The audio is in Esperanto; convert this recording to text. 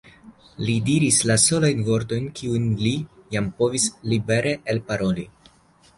Li diris la solajn vortojn, kiujn li jam povis libere elparoli.